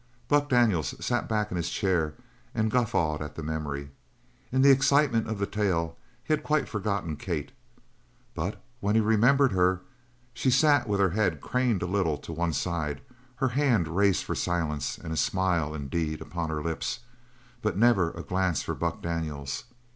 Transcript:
Buck Daniels sat back in his chair and guffawed at the memory. In the excitement of the tale he had quite forgotten Kate, but when he remembered her, she sat with her head craned a little to one side, her hand raised for silence, and a smile, indeed, upon her lips, but never a glance for Buck Daniels.